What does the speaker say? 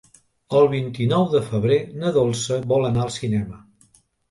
El vint-i-nou de febrer na Dolça vol anar al cinema.